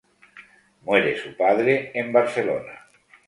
Muere su padre en Barcelona.